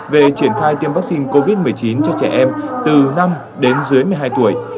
về triển khai tiêm vaccine covid một mươi chín cho trẻ em từ năm đến dưới một mươi hai tuổi